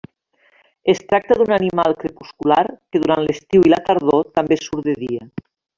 Es tracta d'un animal crepuscular que durant l'estiu i la tardor també surt de dia.